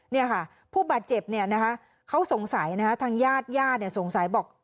นี่ค่ะผู้บาดเจ็บฯทางญาติแย่ตสงสัยบอก